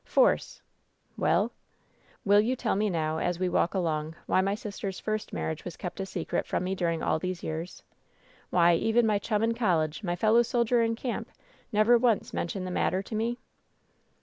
"Force !" "Well ?" "Will you tell me now, as we walk along, why my sister's first marriage was kept a secret from me during all these years? Why even my chum in college, my fellow soldier in camp, never once mentioned the matter to me